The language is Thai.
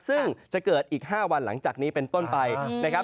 ซึ่งจะเกิดอีก๕วันหลังจากนี้เป็นต้นไปนะครับ